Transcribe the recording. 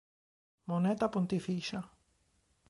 Moneta pontificia